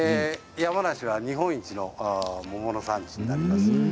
山梨は日本一の桃の産地になります。